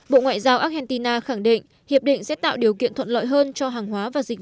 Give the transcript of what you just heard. bộ ngoại giao argentina khẳng định hiệp định sẽ tạo điều kiện thuận lợi hơn cho hàng hóa và dịch